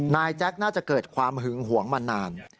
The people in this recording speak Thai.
แจ๊คน่าจะเกิดความหึงหวงมานาน